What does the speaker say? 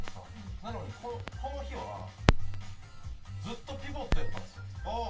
なのに、この日はずっとピボットやったんですよ。